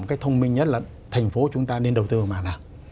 một cách thông minh nhất là thành phố chúng ta nên đầu tư vào mạng nào